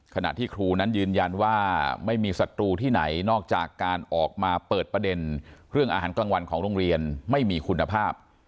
ขณะที่ครูนั้นยืนยันว่าไม่มีศัตรูที่ไหนนอกจากการออกมาเปิดประเด็นเรื่องอาหารกลางวันของโรงเรียนไม่มีคุณภาพ